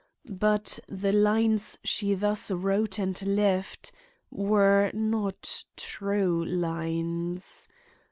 But the lines she thus wrote and left were not true lines.